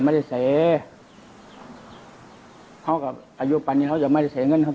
ไม่ได้เสียเขากับอายุปันนี้เขาจะไม่ได้เสียเงินครับ